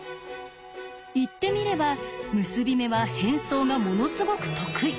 言ってみれば結び目は変装がものすごく得意。